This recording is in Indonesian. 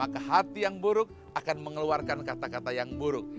kehati yang buruk akan mengeluarkan kata kata yang buruk